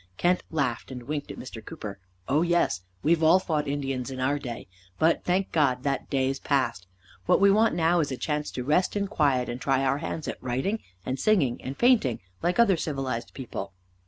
Kent laughed and winked at Mr. Cooper. "Oh, yes. We've all fought Indians in our day. But, thank God, that day's passed. What we want now is a chance to rest in quiet, and try our hands at writing, and singing, and painting, like other civilized people."